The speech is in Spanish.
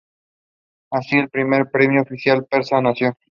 Así, el primer imperio oficial persa nació.